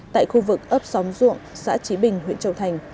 tại khu vực ấp xóm ruộng xã trí bình huyện châu thành